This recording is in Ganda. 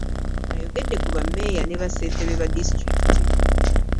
Ayogedde ku bammeeya ne bassentebe ba disitulikiti